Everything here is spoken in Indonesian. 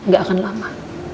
gak akan lama